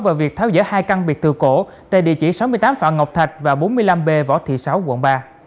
vào việc tháo dỡ hai căn biệt thự cổ tại địa chỉ sáu mươi tám phạm ngọc thạch và bốn mươi năm b võ thị sáu quận ba